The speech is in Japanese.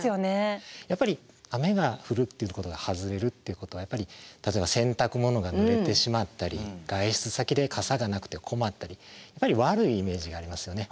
やっぱり雨が降るっていうことが外れるっていうことはやっぱり例えば洗濯物がぬれてしまったり外出先で傘がなくて困ったり悪いイメージがありますよね。